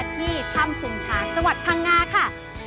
ที่ถ้ำพุงช้างจังหวัดพังงาค่ะ